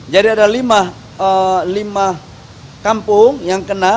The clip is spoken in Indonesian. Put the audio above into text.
jadi ada lima kampung yang kena